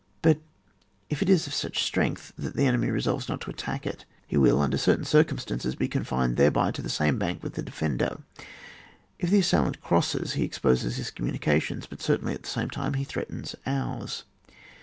But if it is of such strength that the enemy resolves not to attack it, he will, under certain circumstances, be confined thereby to the same bank with the defender. If the assailant crosses, he exposes his communications ; but certainly, at the same time, he threatens ours.